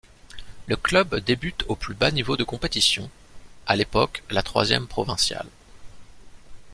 Le club débute au plus bas niveau de compétition, à l'époque la troisième provinciale.